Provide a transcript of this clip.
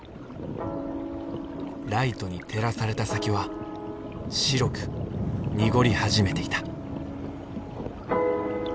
ライトに照らされた先は白く濁り始めていた。